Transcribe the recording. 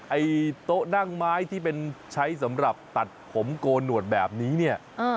ไอ้โต๊ะนั่งไม้ที่เป็นใช้สำหรับตัดผมโกนหวดแบบนี้เนี่ย